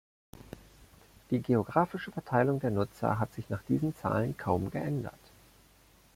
Die geografische Verteilung der Nutzer hat sich nach diesen Zahlen kaum geändert.